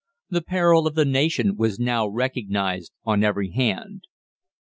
The peril of the nation was now recognised on every hand.